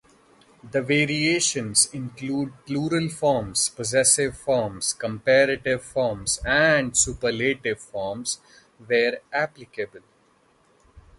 The variations include plural forms, possessive forms, comparative forms, and superlative forms where applicable.